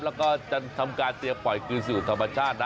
แล้วก็จะทำการเตรียมปล่อยคืนสู่ธรรมชาตินะ